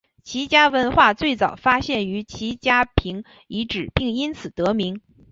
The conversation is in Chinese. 齐家文化最早发现于齐家坪遗址并因此得名。